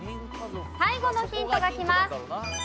最後のヒントがきます。